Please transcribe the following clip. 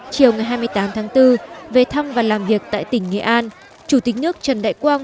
chiều ngày hai mươi tám tháng bốn về thăm và làm việc tại tỉnh nghệ an chủ tịch nước trần đại quang